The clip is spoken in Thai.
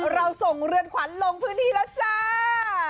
เราส่งเรือนขวัญลงพื้นที่แล้วจ้า